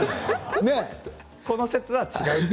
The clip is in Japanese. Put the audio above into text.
この説は違うと。